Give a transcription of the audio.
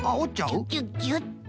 ギュギュギュッと。